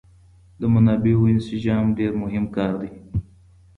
د منابعو انسجام ډېر مهم کار دی.